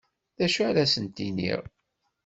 D acu ara asent-iniɣ?